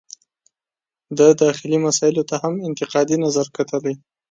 د داخلي مسایلو ته هم انتقادي نظر کتلي.